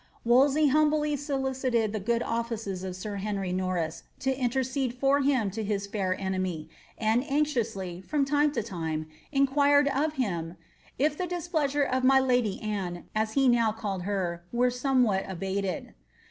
Wolsey humbly solicited the good offices of sir Henry Norris to in tercede for him to his feir enemy, and anxiously, from time to time, inquired of him, ^ if the displeasure of my lady Anne, as he now called her, were somewhat abated.